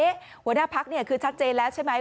หัวหน้าพักเนี่ยคือชัดเจนแล้วใช่ไหม